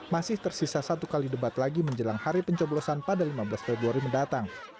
masih tersisa satu kali debat lagi menjelang hari pencoblosan pada lima belas februari mendatang